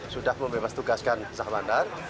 sudah membebas tugaskan syah bandar